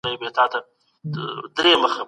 که کوم اړخ هېر سي دا به لویه تېروتنه وي.